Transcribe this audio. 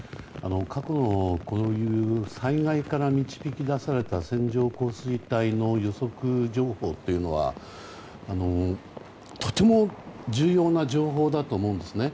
過去のこういう災害から導き出された線状降水帯の予測情報というのはとても重要な情報だと思うんですね。